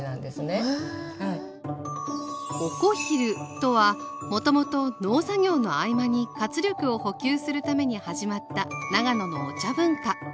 「お小昼」とはもともと農作業の合間に活力を補給するために始まった長野のお茶文化。